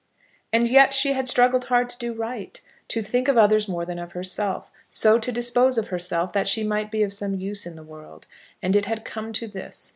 And yet she had struggled hard to do right, to think of others more than of herself; so to dispose of herself that she might be of some use in the world. And it had come to this!